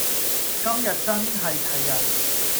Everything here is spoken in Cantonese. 今日真係齊人